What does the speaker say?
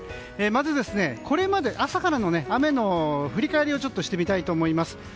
まず、これまで朝からの雨の振り返りをしてみたいと思います。